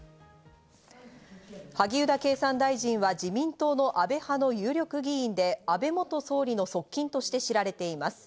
萩生田経産大臣は自民党の安倍派の有力議員で、安倍元総理の側近として知られています。